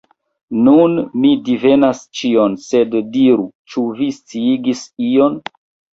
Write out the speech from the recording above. Nun mi divenas ĉion, sed diru, ĉu vi sciigis ion!